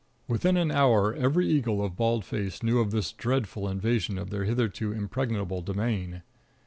Within an hour every eagle of Bald Face knew of this dreadful invasion of their hitherto impregnable domain.